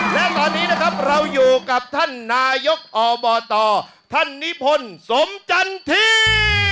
และตอนนี้นะครับเราอยู่กับท่านนายกอบตท่านนิพนธ์สมจันที